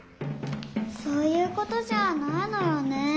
そういうことじゃないのよね。